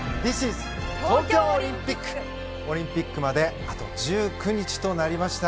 松岡：オリンピックまであと１９日となりました。